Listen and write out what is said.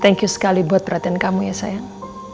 thank you sekali buat perhatian kamu ya sayang